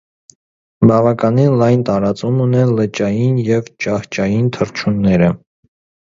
Բավականին լայն տարածում ունեն լճային և ճահճային թռչունները։